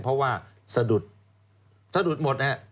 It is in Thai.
เพราะว่าสะดุดสะดุดหมด